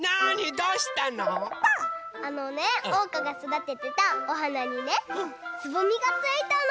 あのねおうかがそだててたおはなにねつぼみがついたの！